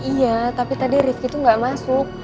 iya tapi tadi rifki tuh gak masuk